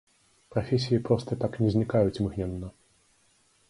Прафесіі проста так не знікаюць імгненна.